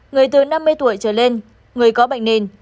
người từ năm mươi tuổi trở lên người có bệnh nền